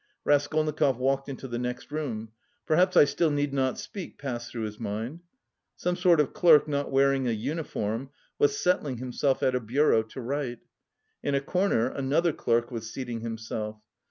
Raskolnikov walked into the next room. "Perhaps I still need not speak," passed through his mind. Some sort of clerk not wearing a uniform was settling himself at a bureau to write. In a corner another clerk was seating himself.